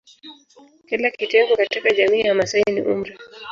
Kila kitengo katika jamiii ya Wamasai ni umri